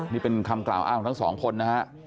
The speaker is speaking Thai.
นี่เป็นคำกล่าวของทั้งสองคนนะ